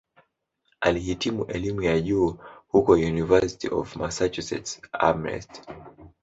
Alihitimu elimu ya juu huko "University of Massachusetts-Amherst".